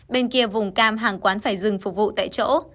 bên kia vùng cam hàng quán phải dừng phục vụ tại chỗ